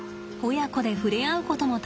親子で触れ合うことも大切です。